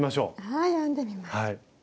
はい編んでみます。